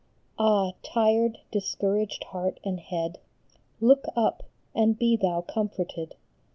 Ah, tired, discouraged heart and head, Look up, and be thou comforted